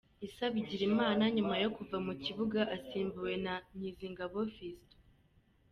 Issa Bigirimana nyuma yo kuva mu kibuga asimbuwe na Nkizingabo Fiston.